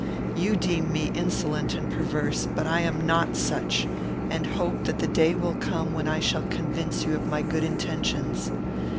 You deem me insolent and perverse, but I am not such; and hope that the day will come when I shall convince you of my good intentions."